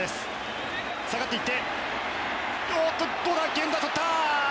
源田、とった！